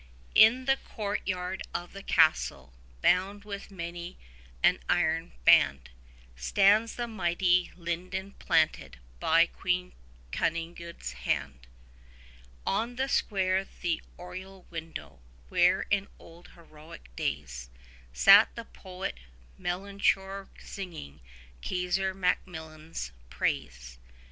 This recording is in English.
In the court yard of the castle, bound with many an iron band, Stands the mighty linden planted by Queen Cunigunde's hand; 10 On the square the oriel window, where in old heroic days Sat the poet Melchior singing Kaiser Maximilian's praise.